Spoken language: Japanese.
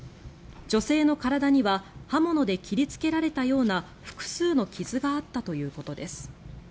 女性の体には刃物で切りつけられたような複数の傷があったということです。